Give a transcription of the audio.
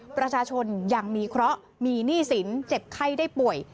ประชาชนยังมีเคราะห์มีหนี้สินเจ็บไข้ได้ป่วย